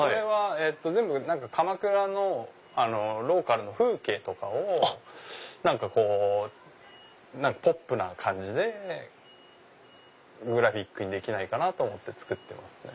全部鎌倉のローカルの風景とかを何かこうポップな感じでグラフィックにできないかなと思って作ってますね。